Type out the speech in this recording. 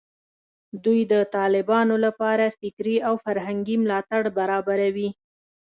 دوی د طالبانو لپاره فکري او فرهنګي ملاتړ برابروي